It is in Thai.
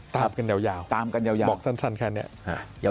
ตามกันยาวบอกสั้นแค่นี้